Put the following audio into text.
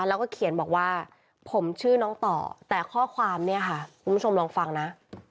แล้วก็เขียนบอกว่าผมชื่อน้องต่อแต่ข้อความเนี่ยค่ะคุณผู้ชมลองฟังนะ